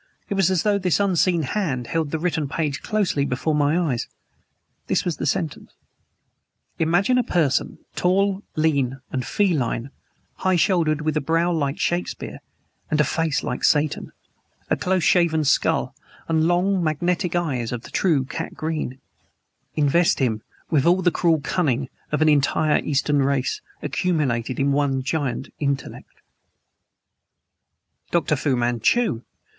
It was as though an unseen hand held the written page closely before my eyes. This was the sentence: "Imagine a person, tall, lean, and feline, high shouldered, with a brow like Shakespeare and a face like Satan, a close shaven skull, and long, magnetic eyes of the true cat green: invest him with all the cruel cunning of an entire Eastern race, accumulated in one giant intellect. .." Dr. Fu Manchu!